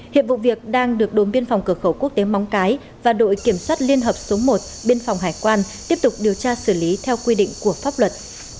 hiện vụ việc đang được đồn biên phòng cửa khẩu quốc tế móng cái và đội kiểm soát liên hợp số một biên phòng hải quan tiếp tục điều tra xử lý theo quy định của pháp luật